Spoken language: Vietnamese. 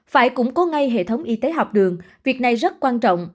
phải cũng có ngay hệ thống y tế học đường việc này rất quan trọng